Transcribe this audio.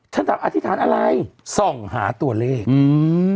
ถามอธิษฐานอะไรส่องหาตัวเลขอืม